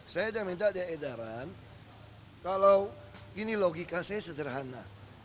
saya sudah minta di edaran kalau ini logika saya sederhana